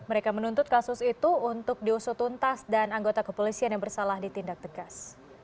mereka menuntut kasus itu untuk diusut untas dan anggota kepolisian yang bersalah ditindak tegas